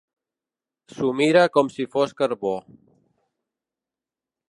S'ho mira com si fos carbó.